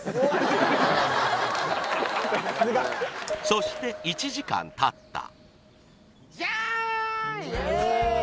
そして１時間たった